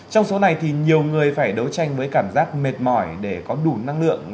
trong số này thì nhiều người phải đấu tranh với cảm giác mệt mỏi để có đủ năng lượng